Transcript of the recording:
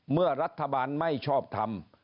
เมื่อรัฐบาลไม่ชอบทำ